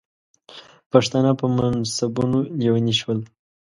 پښتانه په منصبونو لیوني شول.